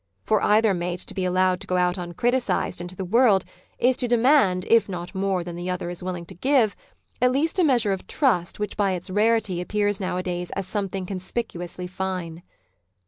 For either mate to be allowed to go out uncriticised into the world, is to demand, if not more than the other is willing to give, at least a measure of trust which by its rarity appears nowadays as something con spicuously fine.